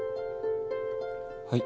はい。